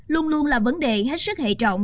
luôn luôn là vấn đề hết sức hệ trọng